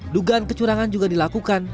dugaan kecurangan juga dilakukan